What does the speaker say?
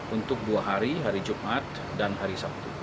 untuk dua hari hari jumat dan hari sabtu